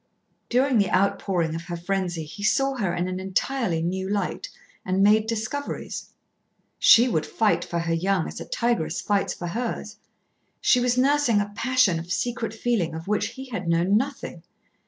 During the outpouring of her frenzy he saw her in an entirely new light and made discoveries. She would fight for her young, as a tigress fights for hers. She was nursing a passion of secret feeling of which he had known nothing.